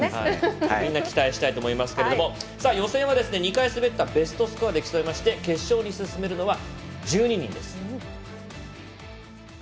みんな期待したいと思いますけれども予選は２回滑ったベストスコアで競いまして決勝に進めるのは１２人です。